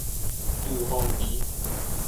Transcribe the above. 滯洪池